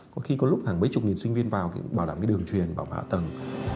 có khi có lúc hàng mấy chục nghìn sinh viên vào bảo đảm cái đường truyền bảo mật hạ tầng